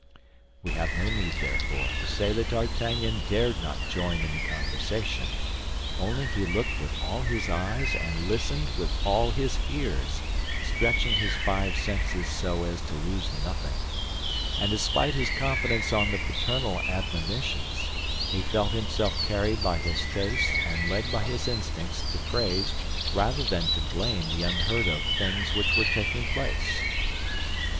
We have no need, therefore, to say that D'Artagnan dared not join in the conversation, only he looked with all his eyes and listened with all his ears, stretching his five senses so as to lose nothing; and despite his confidence on the paternal admonitions, he felt himself carried by his tastes and led by his instincts to praise rather than to blame the unheard of things which were taking place.